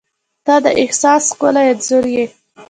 • ته د احساس ښکلی انځور یې.